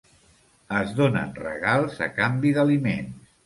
Es donen regals a canvi d'aliments.